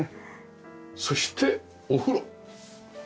そしてお風呂。